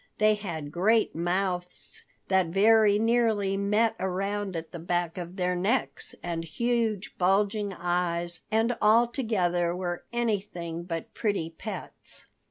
They had great mouths that very nearly met around at the back of their necks, and huge, bulging eyes, and altogether were anything but pretty pets.